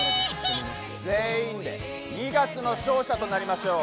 全員で二月の勝者となりましょう。